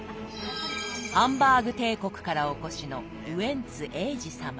ハンバーグ帝国からお越しのウエンツ瑛士様。